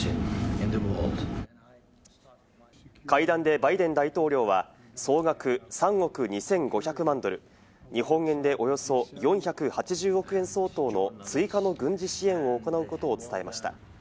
会談でバイデン大統領は総額３億２５００万ドル＝日本円でおよそ４８０億円相当の追加の軍事支援を行うことを伝えました。